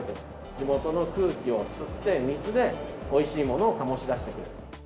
地元の空気を吸って水でおいしいものを醸し出してくれる。